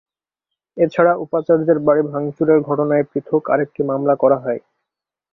এ ছাড়া উপাচার্যের বাড়ি ভাঙচুরের ঘটনায় পৃথক আরেকটি মামলা করা হয়।